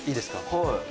はい。